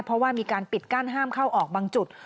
เพราะว่ามีการปิดกั้นห้ามเข้าออกบางจุด